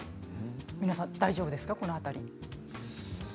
皆さん大丈夫ですかこの辺り。